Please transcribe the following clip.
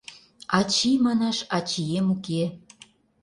«Ачий» манаш, ачием уке